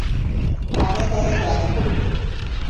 আমরা তাদের রাজী করব।